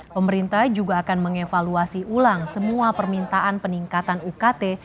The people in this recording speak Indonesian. pemerintah juga akan mengevaluasi ulang semua permintaan peningkatan ukt